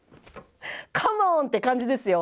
カモーンって感じですよ